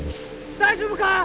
大丈夫か！？